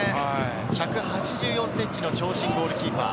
１８４ｃｍの長身ゴールキーパー。